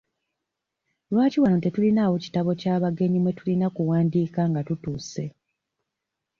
Lwaki wano tetulinaawo kitabo kya bagenyi mwe tulina okuwandiika nga tutuuse?